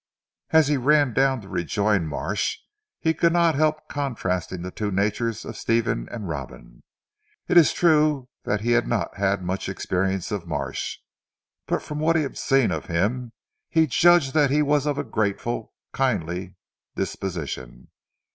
As he ran down to rejoin Marsh, he could not help contrasting the two natures of Stephen and Robin. It is true that he had not had much experience of Marsh; but from what he had seen of him, he judged that he was of a grateful, kindly disposition.